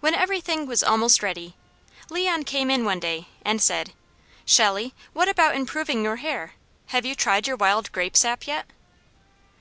When everything was almost ready, Leon came in one day and said: "Shelley, what about improving your hair? Have you tried your wild grape sap yet?"